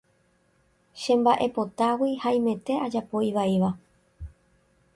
chemba'epotágui haimete ajapo ivaíva